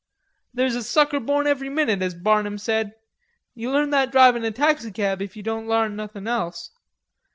"There's a sucker born every minute, as Barnum said. You learn that drivin' a taxicab, if ye don't larn nothin' else....